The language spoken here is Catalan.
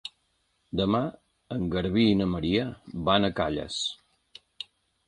Demà en Garbí i na Maria van a Calles.